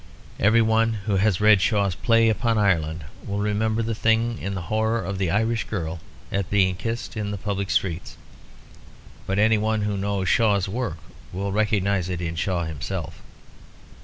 Everyone who has read Shaw's play upon Ireland will remember the thing in the horror of the Irish girl at being kissed in the public streets. But anyone who knows Shaw's work will recognize it in Shaw himself.